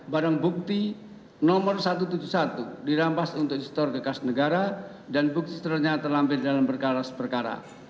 barang bukti nomor satu ratus tujuh puluh satu dirampas untuk di store kekas negara dan bukti storenya terlampir dalam perkara